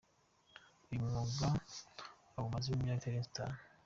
Uyu mwuga awumazemo imyaka itarenze itanu.